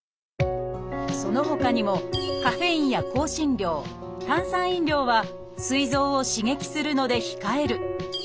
そのほかにもカフェインや香辛料炭酸飲料はすい臓を刺激するので控える。